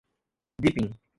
deepin